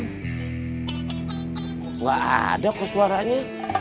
nggak ada koswaranya